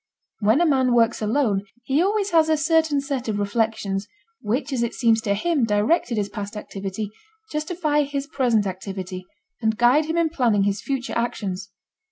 When a man works alone he always has a certain set of reflections which as it seems to him directed his past activity, justify his present activity, and guide him in planning his future actions.